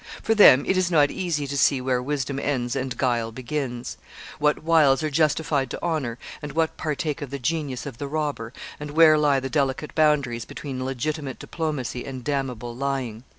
For them it is not easy to see where wisdom ends and guile begins what wiles are justified to honour, and what partake of the genius of the robber, and where lie the delicate boundaries between legitimate diplomacy and damnable lying.